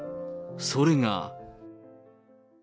それが。